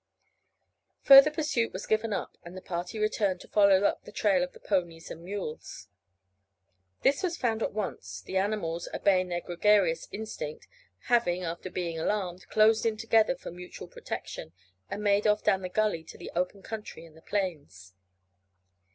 Further pursuit was given up, and the party returned to follow up the trail of the ponies and mules. This was found at once, the animals, obeying their gregarious instinct, having, after being alarmed, closed in together for mutual protection and made off down the gully to the open country and the plains.